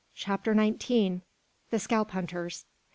CHAPTER NINETEEN. THE SCALP HUNTERS.